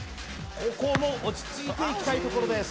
ここも落ち着いていきたいところです